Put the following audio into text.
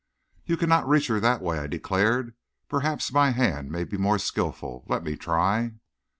"You cannot reach her that way," I declared. "Perhaps my hand may be more skillful. Let me try."